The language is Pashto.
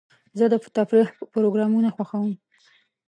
زه د تفریح پروګرامونه خوښوم.